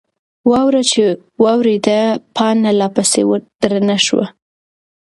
واوره چې وورېده، پاڼه لا پسې درنه شوه.